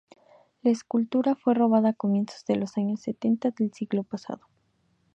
La escultura fue robada a comienzos de los años setenta del siglo pasado.